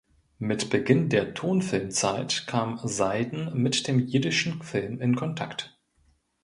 Mit Beginn der Tonfilmzeit kam Seiden mit dem jiddischen Film in Kontakt.